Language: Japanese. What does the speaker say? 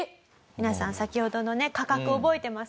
皆さん先ほどのね価格覚えてますか？